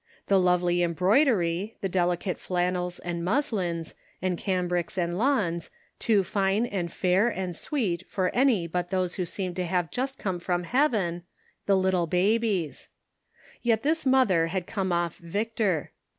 The lovely embroidery, the delicate flannels and muslins, and cambrics and lawns, too fine and fair and sweet for any but those who 332 The Pocket Measure. seem to have just come from heaven — the little babies. Yet this mother had come off victor.